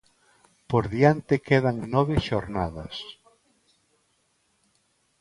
Por diante quedan nove xornadas.